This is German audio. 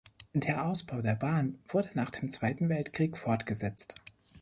Der Ausbau der Bahn wurde auch nach dem Zweiten Weltkrieg fortgesetzt.